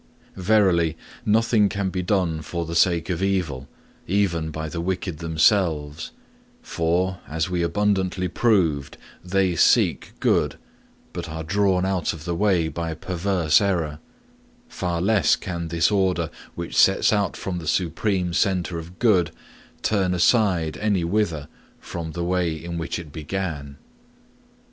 Verily, nothing can be done for the sake of evil even by the wicked themselves; for, as we abundantly proved, they seek good, but are drawn out of the way by perverse error; far less can this order which sets out from the supreme centre of good turn aside anywhither from the way in which it began.